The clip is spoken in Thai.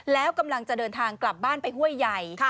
แล้วกำลังจะเดินทางกลับบ้านไปห้วยใหญ่